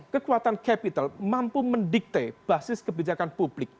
kekuatan capital mampu mendikte basis kebijakan publik